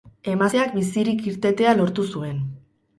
Emazteak bizirik irtetea lortu zuen.